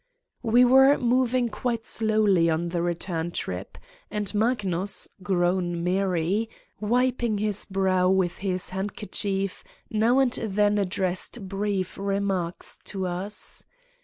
We were moving quite slowly on the return trip and Magnus, grown merry, wiping his brow with his handkerchief, now and then addressed brief remarks to us.